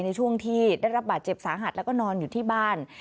ในช่วงที่ได้รับบาดเจ็บสาหัสแล้วก็นอนอยู่ที่บ้าน